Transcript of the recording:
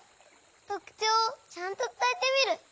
とくちょうをちゃんとつたえてみる！